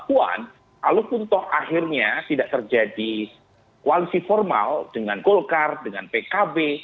mbak puan walaupun toh akhirnya tidak terjadi koalisi formal dengan golkar dengan pkb